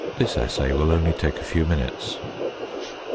This assay will only take a few minutes.